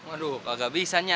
aduh gak bisa